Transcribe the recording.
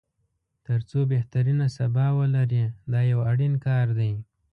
تر څو بهترینه سبا ولري دا یو اړین کار دی.